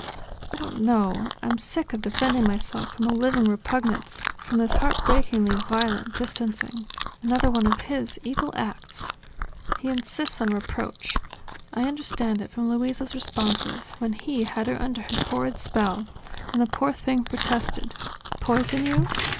I don't know, I'm sick of defending myself from a living repugnance, from this heartbreakingly violent distancing, another one of his evil acts! ... He insists on reproach: I understand it from Luisa's responses, when he had her under his horrid spell, and the poor thing protested. "Poison you?